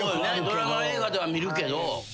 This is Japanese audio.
ドラマ・映画では見るけど。